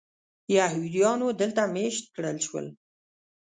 یهودیانو دلته مېشت کړل شول.